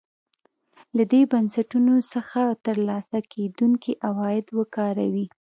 له دې بنسټونو څخه ترلاسه کېدونکي عواید وکاروي.